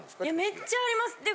いやめっちゃあります。